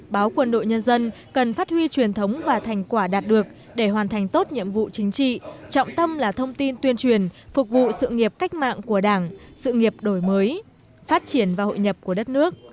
báo quân đội nhân dân cần phát huy truyền thống và thành quả đạt được để hoàn thành tốt nhiệm vụ chính trị trọng tâm là thông tin tuyên truyền phục vụ sự nghiệp cách mạng của đảng sự nghiệp đổi mới phát triển và hội nhập của đất nước